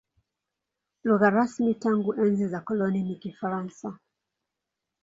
Lugha rasmi tangu enzi za ukoloni ni Kifaransa.